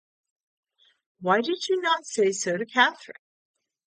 ‘Why did you not say so to Catherine?’